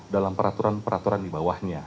dalam peraturan peraturan di bawahnya